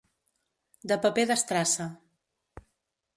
De paper d'estrassa.